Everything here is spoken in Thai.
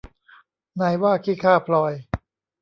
นายว่าขี้ข้าพลอย